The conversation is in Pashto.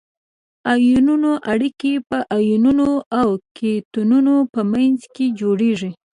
ایوني اړیکه د انیونونو او کتیونونو په منځ کې جوړیږي.